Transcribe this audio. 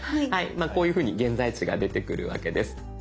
こういうふうに現在地が出てくるわけです。